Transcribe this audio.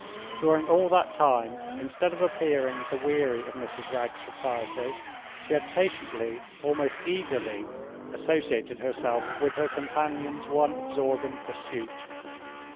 During all that time, instead of appearing to weary of Mrs. Wragge's society, she had patiently, almost eagerly, associated herself with her companion's one absorbing pursuit.